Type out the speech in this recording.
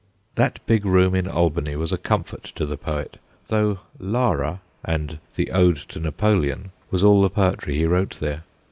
That big room in Albany was a comfort to the poet, though 'Lara' and 'The Ode to Napoleon' was all the poetry he wrote there.